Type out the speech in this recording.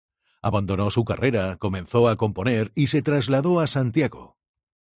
Abandonó su carrera, comenzó a componer y se trasladó a Santiago.